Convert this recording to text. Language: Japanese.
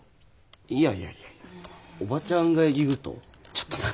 いやいやいやいや叔母ちゃんが言うとちょっとな。